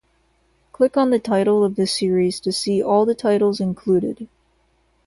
Click on the title of the series to see all the titles included.